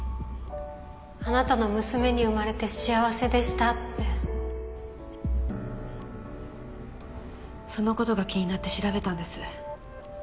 あなたの娘に生まれて幸せでしたってそのことが気になって調べたんです。